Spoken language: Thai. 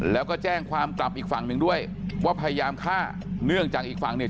แล้วก็แจ้งความกลับอีกฝั่งหนึ่งด้วยว่าพยายามฆ่าเนื่องจากอีกฝั่งเนี่ย